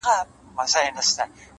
د ښايستونو خدایه اور ته به مي سم نيسې’